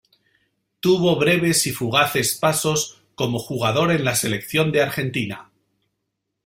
Tuvo breves y fugaces pasos como jugador en la Selección de Argentina.